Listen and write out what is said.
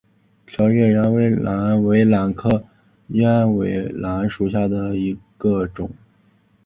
条裂鸢尾兰为兰科鸢尾兰属下的一个种。